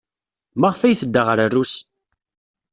Maɣef ay tedda ɣer Rrus?